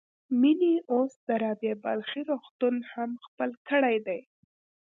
مينې اوس د رابعه بلخي روغتون هم خپل کړی دی.